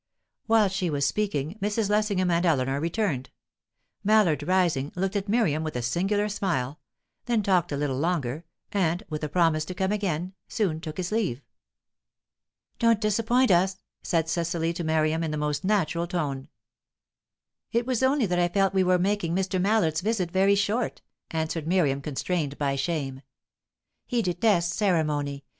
Whilst she was speaking, Mrs. Lessingham and Eleanor returned. Mallard, rising, looked at Miriam with a singular smile; then talked a little longer, and, with a promise to come again, soon took his leave. "Don't disappoint us," said Cecily to Miriam, in the most natural tone. "It was only that I felt we were making Mr. Mallard's visit very short," answered Miriam, constrained by shame. "He detests ceremony.